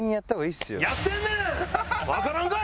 わからんかい？